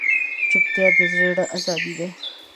چوپتیا، د زړه ازادي ده.